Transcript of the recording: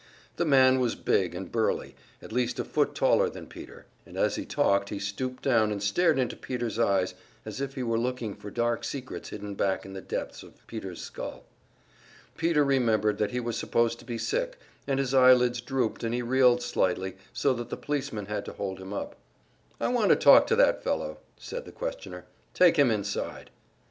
The man was big and burly, at least a foot taller than Peter, and as he talked he stooped down and stared into Peter's eyes as if he were looking for dark secrets hidden back in the depths of Peter's skull. Peter remembered that he was supposed to be sick, and his eyelids drooped and he reeled slightly, so that the policemen had to hold him up. "I want to talk to that fellow," said the questioner. "Take him inside."